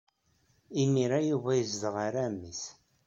Imir-a Yuba yezdeɣ ɣer ɛemmi-s.